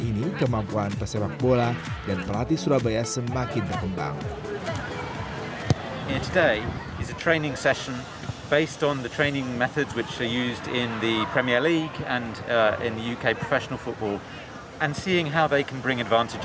ini kemampuan pesepak bola dan pelatih surabaya semakin berkembang